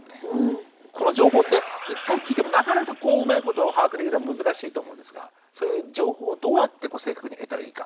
この情報って一回聞いてもなかなかこううまいこと把握できるのは難しいと思うんですがそういう情報をどうやって正確に得たらいいか。